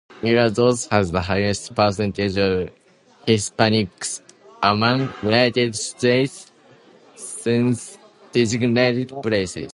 Mila Doce has the highest percentage of Hispanics among United States census-designated places.